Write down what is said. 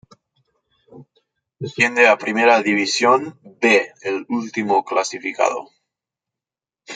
Desciende a Primera División "B" el último clasificado.